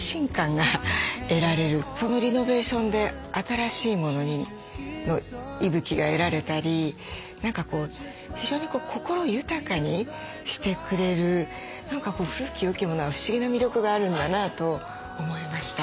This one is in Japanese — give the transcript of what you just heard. リノベーションで新しいものの息吹が得られたり何か非常に心豊かにしてくれる古き良きものは不思議な魅力があるんだなと思いました。